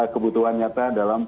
kebutuhan nyata dalam